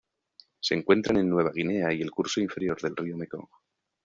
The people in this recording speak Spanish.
Se encuentran en Nueva Guinea y el curso inferior del río Mekong.